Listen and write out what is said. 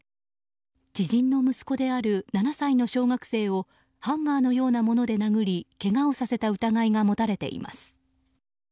知人の息子である７歳の小学生をハンガーのようなもので殴りけがをさせた疑いが持たれています。